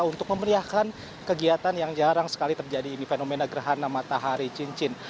untuk memeriahkan kegiatan yang jarang sekali terjadi ini fenomena gerhana matahari cincin